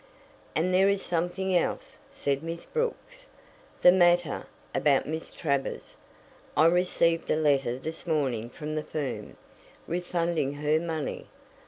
"And there is something else," said Miss Brooks, "The matter about Miss Travers. I received a letter this morning from the firm, refunding her money.